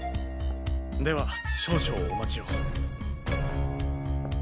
では少々お待ちを。